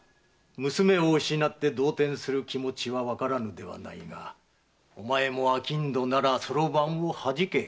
娘を失って動転する気持ちはわからぬではないがおまえも商人なら算盤をはじけ。